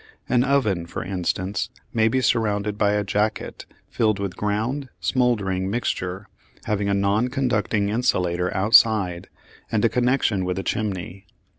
An oven, for instance, may be surrounded by a "jacket" filled with ground smouldering mixture having a non conducting insulator outside and a connection with a chimney.